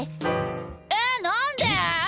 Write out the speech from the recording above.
えなんで！？